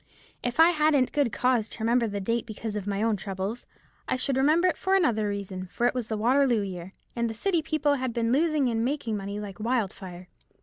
If I hadn't good cause to remember the date because of my own troubles, I should remember it for another reason, for it was the Waterloo year, and city people had been losing and making money like wildfire.